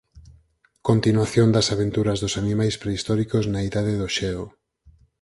Continuación das aventuras dos animais prehistóricos na Idade do xeo.